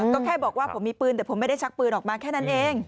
ก็แค่บอกว่าผมมีปืนแต่ผมไม่ได้ชักปืนออกมาแค่นั้นเอง